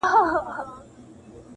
دا وطن دی د رنځورو او خوږمنو!